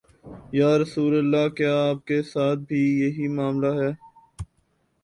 یا رسول اللہ، کیا آپ کے ساتھ بھی یہی معا ملہ ہے؟